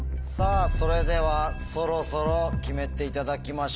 それではそろそろ決めていただきましょう。